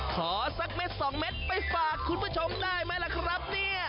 ขอสักเม็ดสองเม็ดไปฝากคุณผู้ชมได้ไหมครับ